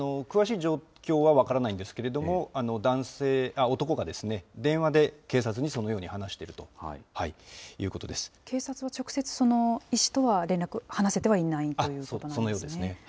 詳しい状況は分からないんですけれども、男性、男が電話で警察にそのように話しているということ警察は直接、その医師とは連絡、話せてはいないということですよね？